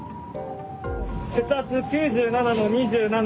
血圧９７の２７。